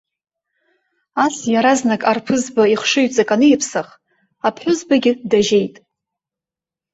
Ас иаразнак арԥызба ихшыҩҵак аниԥсах, аԥҳәызбагьы дажьеит.